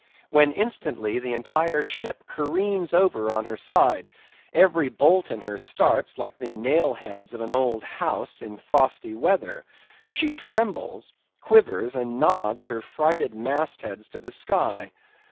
When instantly, the entire ship careens over on her side; every bolt in her starts like the nail heads of an old house in frosty weather; she trembles, quivers, and nods her frighted mast heads to the sky.